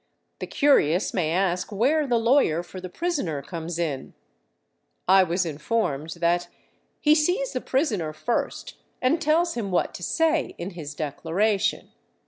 The curious may ask where the lawyer for the prisoner 449 VAGABONDING DOWN THE ANDES comes in. I was informed that " he sees the prisoner first and tells him what to say in his declaration."